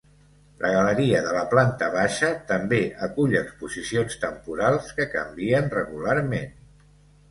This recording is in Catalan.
La galeria de la planta baixa també acull exposicions temporals que canvien regularment.